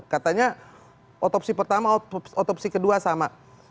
katanya otopsi pertama otopsi kedua sama